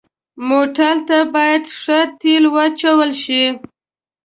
موټر ته باید ښه تیلو واچول شي.